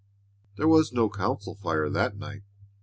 There was no council fire that night.